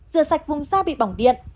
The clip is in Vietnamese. rửa sạch vùng da bị bỏng điện